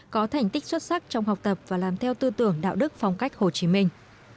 có thành tích xuất sắc trong học tập và làm theo tư tưởng đạo đức phong cách hồ chí minh